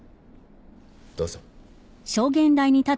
どうぞ。